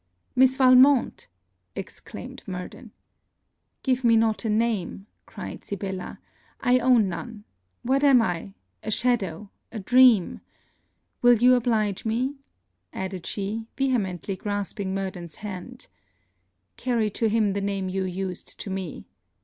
'Miss Valmont!' exclaimed Murden. 'Give me not a name' cried Sibella. 'I own none! What am I? a shadow! A dream! Will you oblige me?' added she, vehemently grasping Murden's hand 'Carry to him the name you used to me.